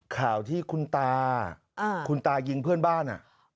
ข่าวที่คุณตาคุณตายิงเพื่อนบ้านอ่ะ